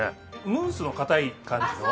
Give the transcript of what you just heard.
ムースのかたい感じの？